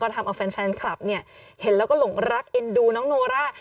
ทำเอาแฟนคลับเห็นแล้วก็หลงรักเอ็นดูน้องโนร่า